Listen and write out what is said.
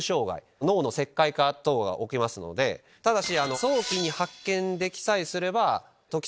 ただし。